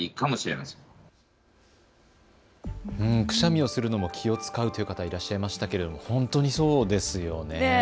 くしゃみをするのも気を遣うという方、いらっしゃいましたけれども本当にそうですよね。